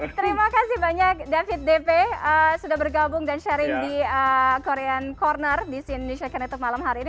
terima kasih banyak david dp sudah bergabung dan sharing di korean corner di si indonesia connected malam hari ini